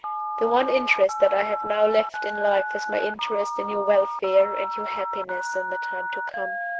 The one interest that I have now left in life is my interest in your welfare and your happiness in the time to come.